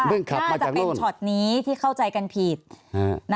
เรื่องขับมาจากโลกน่าจะเป็นช็อตนี้ที่เข้าใจกันผิดอ่า